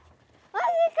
マジか。